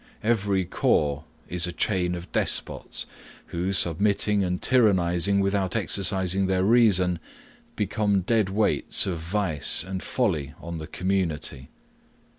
Every corps is a chain of despots, who, submitting and tyrannizing without exercising their reason, become dead weights of vice and folly on the community.